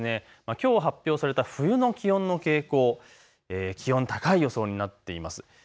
きょう発表された冬の気温の傾向、気温が高い予想になっています。